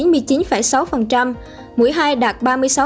mũi hai đạt ba mươi sáu hai